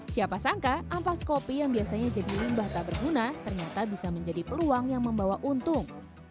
siapa sangka ampas kopi yang biasanya jadi limbah tak berguna ternyata bisa menjadi peluang yang membawa untung